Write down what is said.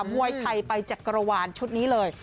มวยไทยไปจักรวาลชุดนี้เลย